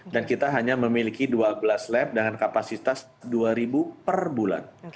dan kita hanya memiliki dua belas lab dengan kapasitas dua ribu per bulan